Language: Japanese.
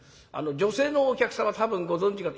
女性のお客様多分ご存じかと。